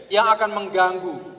yang akan mengganggu